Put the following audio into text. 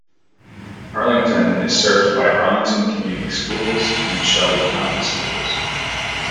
Arlington is served by Arlington Community Schools and Shelby County Schools.